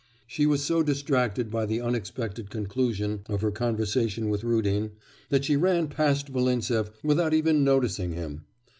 She was so distracted by the unexpected conclusion of her conversation with Rudin, that she ran past Volintsev without even noticing him.